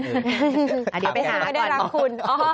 เดี๋ยวไปหาก่อนหมอคุณก็ไม่ได้รัก